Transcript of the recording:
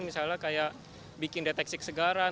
misalnya kayak bikin deteksi kesegaran